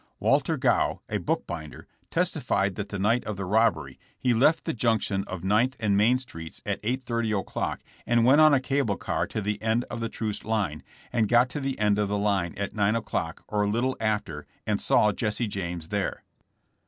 Walter Gaugh, a bookbinder, testified that the night of the robbery he left the junction of Ninth and Main streets at 8 :30 o 'clock and went on a cable car to the end of the Troost line and got to the end of the line at 9 o'clock or a little after, and saw Jesse James there.